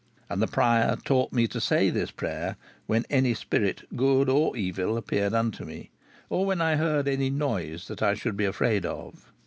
And the prior taught me to say this prayer when any spirit, good or evil, appeared unto me, or when I heard any noise that I should be afraid of."